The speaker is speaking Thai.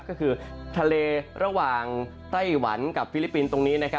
ก็คือทะเลระหว่างไต้หวันกับฟิลิปปินส์ตรงนี้